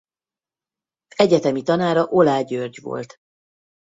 Egyetemi tanára Oláh György volt.